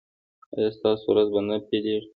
ایا ستاسو ورځ به نه پیلیږي؟